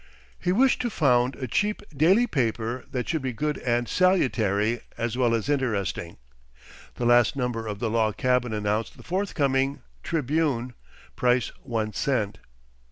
He wished to found a cheap daily paper that should be good and salutary, as well as interesting. The last number of "The Log Cabin" announced the forthcoming "Tribune," price one cent.